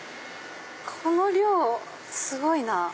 この量すごいなぁ。